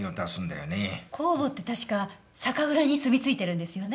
酵母って確か酒蔵にすみついてるんですよね？